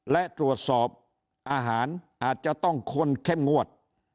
และตรวจสอบอาหารอาจจะต้องคนเข้มงวด